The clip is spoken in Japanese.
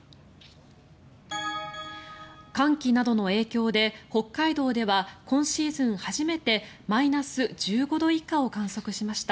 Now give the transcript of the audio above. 寒気などの影響で北海道では今シーズン初めてマイナス１５度以下を観測しました。